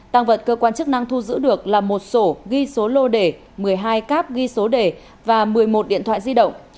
tăng vật cơ quan chức năng thu giữ được là một sổ ghi số lô đề một mươi hai cáp ghi số đề và một mươi một điện thoại di động